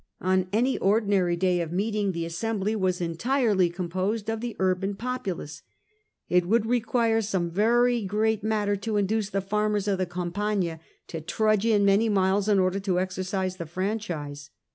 On any ordi nary day of meeting the assembly was entirely composed of the urban populace ; it would require some very great matter to induce the farmers of the Gampagna to trudge in many miles in order to exercise the franchise.